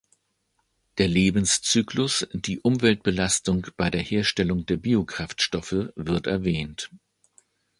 Der Lebenszyklus, die Umweltbelastung bei der Herstellung der Biokraftstoffe wird erwähnt.